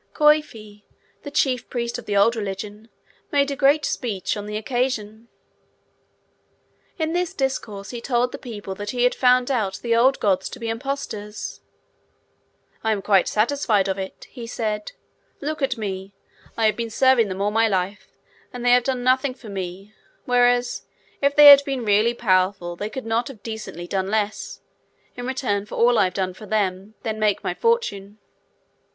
Coifi, the chief priest of the old religion, made a great speech on the occasion. In this discourse, he told the people that he had found out the old gods to be impostors. 'I am quite satisfied of it,' he said. 'Look at me! I have been serving them all my life, and they have done nothing for me; whereas, if they had been really powerful, they could not have decently done less, in return for all I have done for them, than make my fortune.